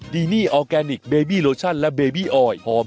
มีดราม่าในวงการขาอ่อนกันบ้าง